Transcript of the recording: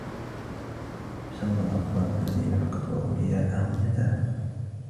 يُسمى الأطفال الذين فقدوا أولياءهم"يتامى".